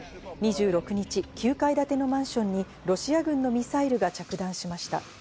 ２６日、９階建てのマンションにロシア軍のミサイルが着弾しました。